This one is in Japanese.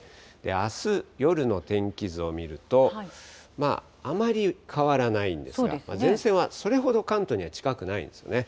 あす夜の天気図を見ると、あまり変わらないんですが、前線はそれほど関東には近くないんですよね。